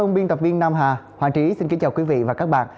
biên tập viên nam hà hoàng trí xin kính chào quý vị và các bạn